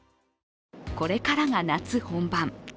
これからが夏本番。